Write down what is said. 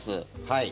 はい。